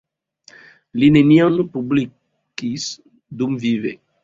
Li nenion publikis dumvive.